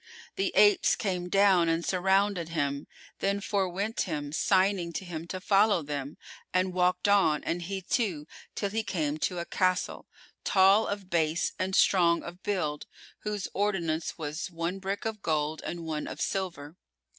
The apes came down and surrounded him;[FN#409] then they forewent him, signing to him to follow them, and walked on, and he too, till he came to a castle, tall of base and strong of build whose ordinance was one brick of gold and one of silver.